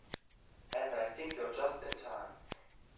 And I think you're just in time.